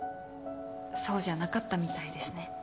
そうじゃなかったみたいですね。